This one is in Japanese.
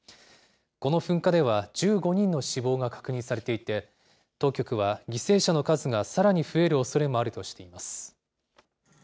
この噴火では、１５人の死亡が確認されていて、当局は、犠牲者の数がさらに増えるおそれもあるとしています。